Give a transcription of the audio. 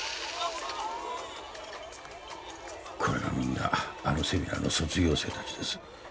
これがみんなあのセミナーの卒業生達です